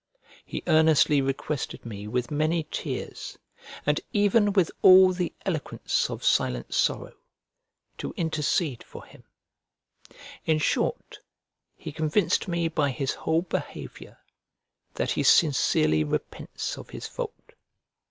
He earnestly requested me with many tears, and even with all the eloquence of silent sorrow, to intercede for him; in short, he convinced me by his whole behaviour that he sincerely repents of his fault.